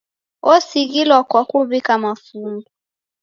Osighirilwa kwa kuw'ika mafungu.